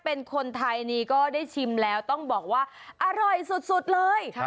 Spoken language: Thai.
เป็นคนไทยนี่ก็ได้ชิมแล้วต้องบอกว่าอร่อยสุดเลย